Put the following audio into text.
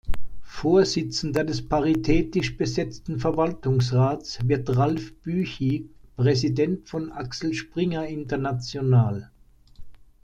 Vorsitzender des paritätisch besetzten Verwaltungsrats wird Ralph Büchi, Präsident von Axel Springer International.